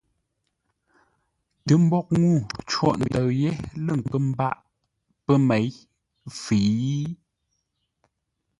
Tə mboʼ ŋuu côghʼ ntə̂ʉ yé lə̂ nkə́ mbâʼ pə́ měi fə́i?